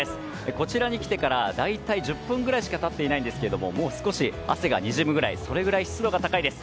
こちらに来てから大体１０分ぐらいしか経っていませんがもう少し、汗がにじむくらいそれくらい湿度が高いです。